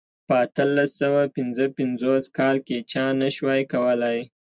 په اتلس سوه پنځه پنځوس کال کې چا نه شوای کولای.